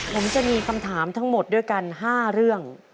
ผมจะมีคำถามทั้งหมดด้วยกัน๕เรื่อง